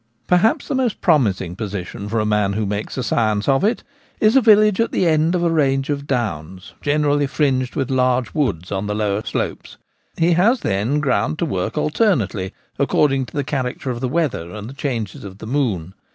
Perhaps the most promising position for a man who makes a science of it is a village at the edge of a range of downs, generally fringed with large woods on the lower slopes. He has then ground to work alternately, according to the character of the weather and the changes of the moon.